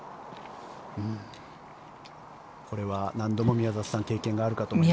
これは何度も宮里さん経験があると思いますが。